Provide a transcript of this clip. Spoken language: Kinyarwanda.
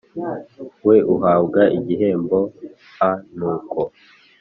we uhabwa igihembo a Nuko